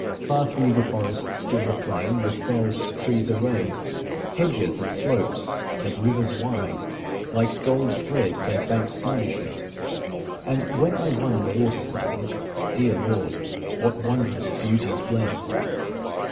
Far through the forest stood The plain with fairest trees arrayed, Hedges and slopes and rivers wide, Like gold thread their banks' garnishment; And when I won the waterside, Dear Lord! what wondrous beauties blent!